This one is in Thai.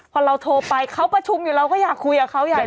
พอเราโทรไปเขาประชุมอยู่เราก็อยากคุยกับเขาใหญ่